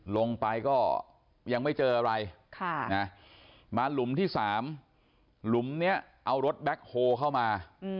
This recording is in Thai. ลงไปก็ยังไม่เจออะไรมาหลุมที่๓หลุมนี้เอารถแบ็คโฮเข้ามา